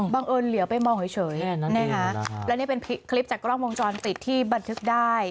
บังเอิญเหลือไปมองให้เฉยแค่นั้นเองนะคะแล้วเนี้ยเป็นคลิปจากกล้องวงจรติดที่บันทึกได้